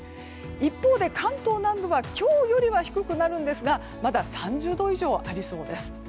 一方で関東南部は今日よりは低くなるんですがまだ３０度以上ありそうです。